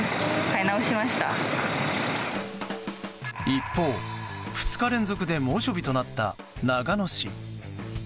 一方、２日連続で猛暑日となった長野市。